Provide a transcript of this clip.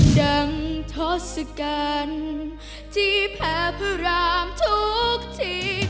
ดังทศกัณฐ์ที่แพ้พิรามทุกที